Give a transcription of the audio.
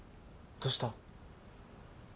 どうした？